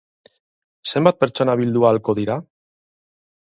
Zenbat pertsona bildu ahalko dira?